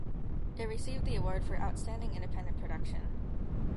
It received the award for ‘Outstanding Independent Production’.